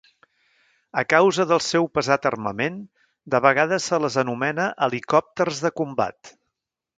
A causa del seu pesat armament, de vegades se les anomena helicòpters de combat.